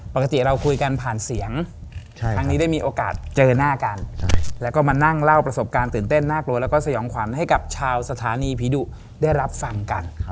ปกติเราคุยกันผ่านเสียงครั้งนี้ได้มีโอกาสเจอหน้ากันแล้วก็มานั่งเล่าประสบการณ์ตื่นเต้นน่ากลัวแล้วก็สยองขวัญให้กับชาวสถานีผีดุได้รับฟังกัน